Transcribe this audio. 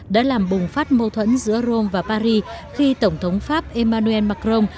đã làm bùng phát mâu thuẫn giữa rome và paris khi tổng thống pháp emmanuel macron